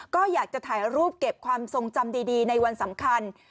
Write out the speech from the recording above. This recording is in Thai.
ก็อยากจะถ่ายรูปเก็บความทรงจำดีในวันสำคัญ